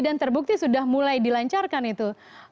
dan terbukti sudah mulai dilancarkan itu